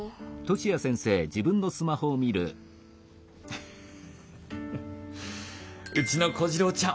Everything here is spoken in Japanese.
フフフうちの小次郎ちゃん